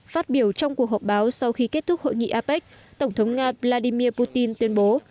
phát biểu trong cuộc họp báo sau khi kết thúc hội nghị apec tổng thống nga vladimir putin tuyên bố